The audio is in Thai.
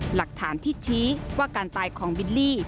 หลักฐานที่ชี้ว่าการตายของบิลลี่